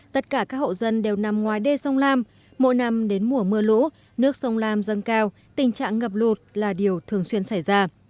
tất cả các hộ dân đều nằm ngoài đê sông lam mỗi năm đến mùa mưa lũ nước sông lam dâng cao tình trạng ngập lụt là điều thường xuyên xảy ra